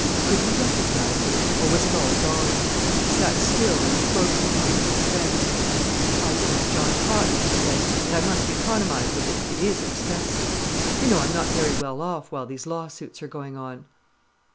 Could he recognize her, or was it all gone? She sat still in a frozen kind of suspense. "I smoke John Cotton," he said, "and I must economize with it, it is expensive. You know, I'm not very well off while these lawsuits are going on."